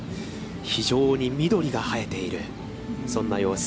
非常に緑が映えている、そんな様子。